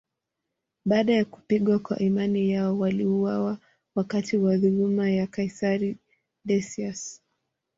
Baada ya kupigwa kwa imani yao, waliuawa wakati wa dhuluma ya kaisari Decius.